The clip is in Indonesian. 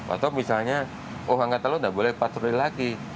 atau misalnya oh angkatan laut tidak boleh patroli lagi